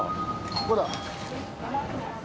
ここだ。